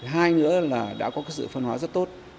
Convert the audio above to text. hai nữa là đã có sự phân hóa rất tốt